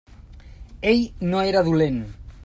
Ell no era dolent.